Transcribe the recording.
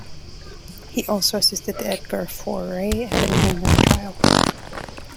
He also assisted Edgar Faure at the Nuremberg Trial.